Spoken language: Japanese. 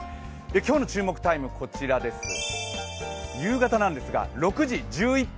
今日の注目タイムは夕方なんですが、６時１１分。